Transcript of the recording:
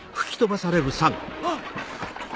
あっ！